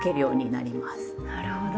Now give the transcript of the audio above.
なるほど。